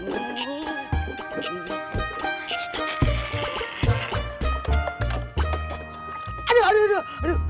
aduh aduh aduh aduh aduh